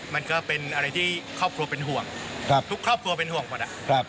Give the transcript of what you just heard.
มันก็เป็นอะไรที่ครอบครัวเป็นห่วงทุกครอบครัวเป็นห่วงหมด